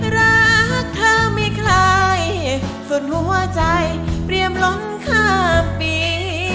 รักเธอไม่คล้ายสุดหัวใจเปรียมล้มข้ามปี